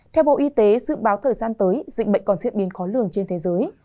theo bộ y tế dự báo thời gian tới dịch bệnh còn diễn biến khó lường trên thế giới